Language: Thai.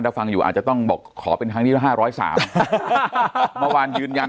ไม่ผ่านก็เป็นสิทธิ์ของภพเพื้อไทย